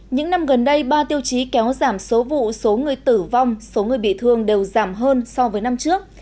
những năm gần đây ba tiêu chí kéo giảm số vụ số người tử vong số người bị thương đều giảm hơn so với năm trước